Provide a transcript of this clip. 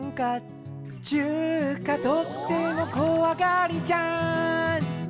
「てゆーか、とってもこわがりじゃん」